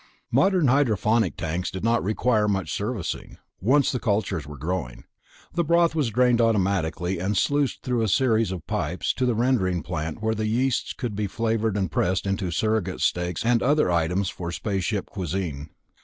Modern hydroponic tanks did not require much servicing, once the cultures were growing; the broth was drained automatically and sluiced through a series of pipes to the rendering plant where the yeasts could be flavored and pressed into surrogate steaks and other items for spaceship cuisine.